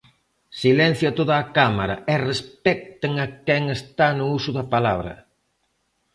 Silencio a toda a Cámara e respecten a quen está no uso da palabra.